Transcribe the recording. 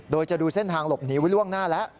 โดยจะดูเส้นทางหลบหนีไว้ล่วงหน้าแล้ว